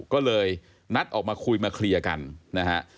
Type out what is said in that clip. ก็เลยนัดออกมาคุยมาเคลียร์กันนะฮะ